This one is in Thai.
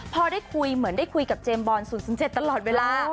พอได้คุยเหมือนได้คุยกับเจมส์บอล๐๐๗ตลอดเวลา